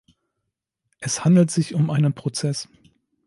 Es handelt sich um einen Prozess.